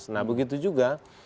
nah begitu juga